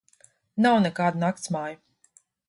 Nav nekādu naktsmāju.